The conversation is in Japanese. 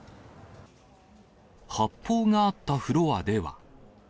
発砲があったフロアでは。